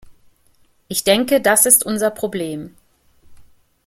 Ich denke, das ist unser Problem.